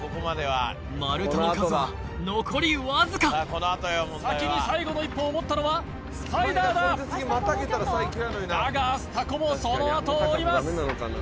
丸太の数は残りわずか先に最後の１本を持ったのはスパイダーだだがアスタコもそのあとを追います